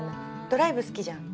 ドライブ好きじゃん。